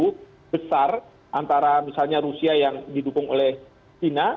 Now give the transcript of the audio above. tapi ada perang yang cukup besar antara misalnya rusia yang didukung oleh china